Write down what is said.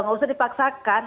nggak usah dipaksakan